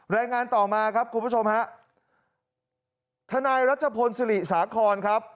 รายงานต่อมาครับคุณผู้ชมฮะทนายรัชพลศิริสาครครับ